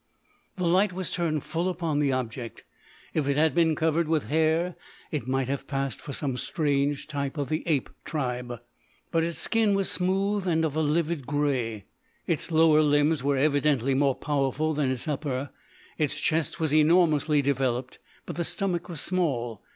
The light was turned full upon the object. If it had been covered with hair it might have passed for some strange type of the ape tribe, but its skin was smooth and of a livid grey. Its lower limbs were evidently more powerful than its upper; its chest was enormously developed, but the stomach was small.